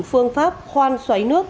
phương pháp khoan xoáy nước